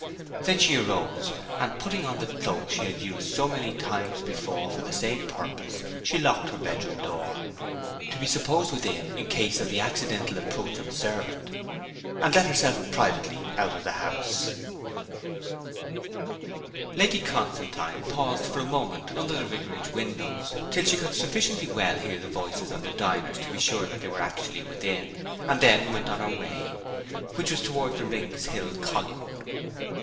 Then she arose, and putting on the cloak she had used so many times before for the same purpose, she locked her bedroom door (to be supposed within, in case of the accidental approach of a servant), and let herself privately out of the house. Lady Constantine paused for a moment under the vicarage windows, till she could sufficiently well hear the voices of the diners to be sure that they were actually within, and then went on her way, which was towards the Rings Hill column.